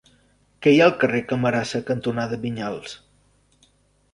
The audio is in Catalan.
Què hi ha al carrer Camarasa cantonada Vinyals?